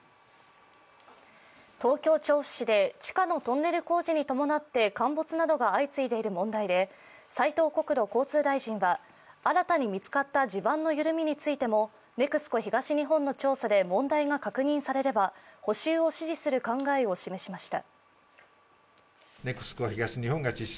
東京・調布市で地下のトンネル工事に伴って陥没などが相次いでいる問題で斉藤国土交通大臣は新たに見つかった地盤の緩みについてもＮＥＸＣＯ東日本の調査で問題が確認されれば補修を指示する考えを示しました。